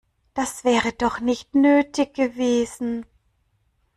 Das wäre doch nicht nötig gewesen.